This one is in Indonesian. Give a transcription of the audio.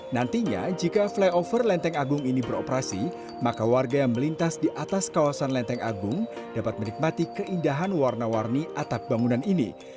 nantinya jika flyover lenteng agung ini beroperasi maka warga yang melintas di atas kawasan lenteng agung dapat menikmati keindahan warna warni atap bangunan ini